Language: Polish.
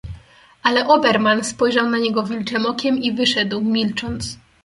"Ale Oberman spojrzał na niego wilczem okiem i wyszedł, milcząc."